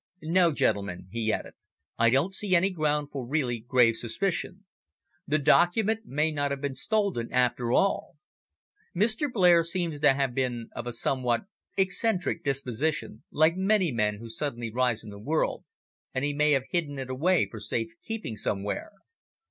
No, gentlemen," he added, "I don't see any ground for really grave suspicion. The document may not have been stolen after all. Mr. Blair seems to have been of a somewhat eccentric disposition, like many men who suddenly rise in the world, and he may have hidden it away for safe keeping somewhere.